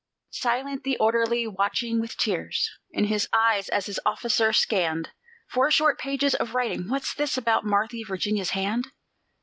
Silent the orderly, watching with tears in his eyes as his officer scanned Four short pages of writing. "What's this, about 'Marthy Virginia's hand'?"